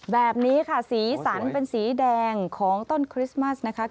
แบบนี้ค่ะสีสันเป็นสีแดงของต้นคริสต์มัสนะคะ